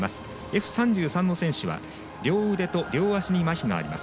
Ｆ３３の選手は両腕と両足にまひがあります。